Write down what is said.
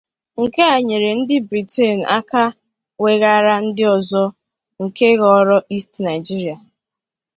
Nke a nyeere ndị Briten aka weghaara ndị ọzọ nke ghọrọ East Nigeria.